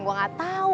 gue gak tahu